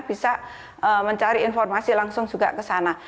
bisa mencari informasi langsung juga ke sana